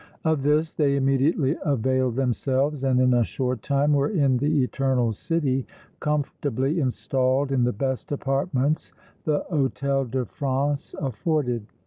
Of this they immediately availed themselves and in a short time were in the Eternal City comfortably installed in the best apartments the Hôtel de France afforded.